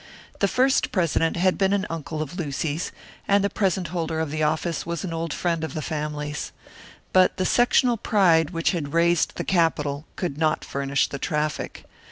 The first president had been an uncle of Lucy's, and the present holder of the office was an old friend of the family's. But the sectional pride which had raised the capital could not furnish the traffic.